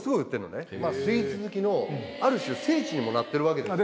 まぁスイーツ好きのある種聖地にもなってるわけですよ。